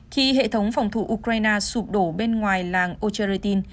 khi hệ thống phòng thủ ukraine sụp đổ bên ngoài làng ocherretin